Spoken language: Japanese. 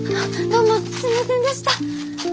どうもすみませんでした！